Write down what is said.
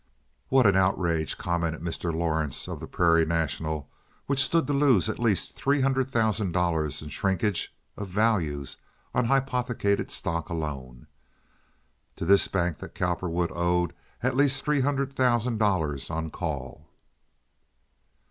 "What an outrage!" commented Mr. Lawrence, of the Prairie National, which stood to lose at least three hundred thousand dollars in shrinkage of values on hypothecated stock alone. To this bank that Cowperwood owed at least three hundred thousand dollars on call.